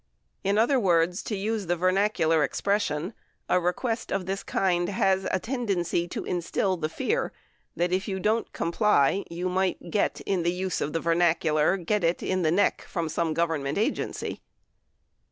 In other words, to use the vernacular expres sion, a request of this kind has a tendency to instill the fear that if you don't comply, you might get, in the use of the vernacular, get it in the neck from some Government agency